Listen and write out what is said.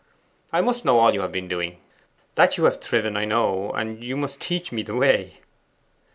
I must know all you have been doing. That you have thriven, I know, and you must teach me the way.